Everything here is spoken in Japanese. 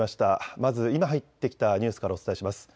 まず今入ってきたニュースからお伝えします。